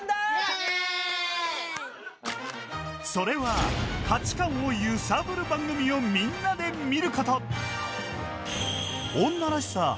それは、価値観を揺さぶる番組をみんなで見ること。